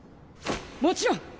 もちろん！